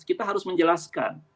kita harus menjelaskan